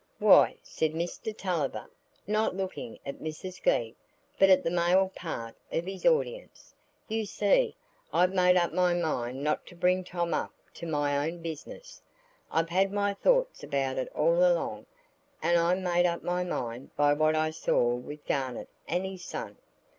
"Why," said Mr Tulliver, not looking at Mrs Glegg, but at the male part of his audience, "you see, I've made up my mind not to bring Tom up to my own business. I've had my thoughts about it all along, and I made up my mind by what I saw with Garnett and his son.